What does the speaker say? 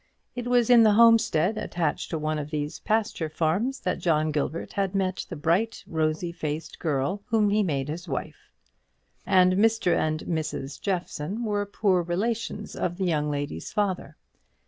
It was in the homestead attached to one of these pasture farms that John Gilbert had met the bright, rosy faced girl whom he made his wife; and Mr. and Mrs. Jeffson were poor relations of the young lady's father.